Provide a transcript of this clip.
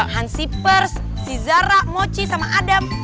hansi pers si zara mochi sama adam